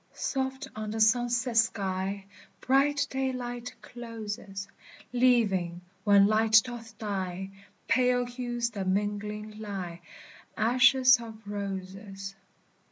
Soft on the sunset sky Bright daylight closes, Leaving, when light doth die, Pale hues that mingling lie, Ashes of roses.